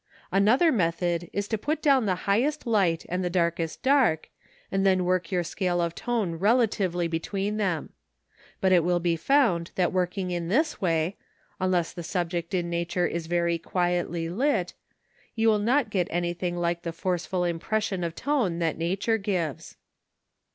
Another method is to put down the highest light and the darkest dark, and then work your scale of tone relatively between them. But it will be found that working in this way, unless the subject in nature is very quietly lit, you will not get anything like the forceful impression of tone that nature gives.